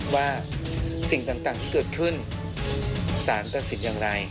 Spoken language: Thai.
ว่าสิ่งต่างที่เกิดขึ้นสารตัดสินอย่างไร